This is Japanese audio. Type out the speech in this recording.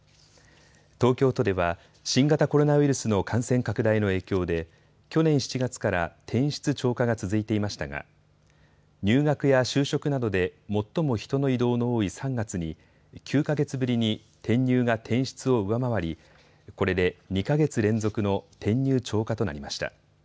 東京都では新型コロナウイルスの感染拡大の影響で去年７月から転出超過が続いていましたが入学や就職などで最も人の移動の多い３月に９か月ぶりに転入が転出を上回りこれで２か月連続の転入超過となりました。